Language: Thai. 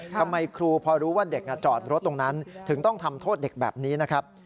ทำไมครูพอรู้ว่าเด็กจอดรถตรงนั้นถึงต้องทำโทษเด็กแบบนี้นะครับ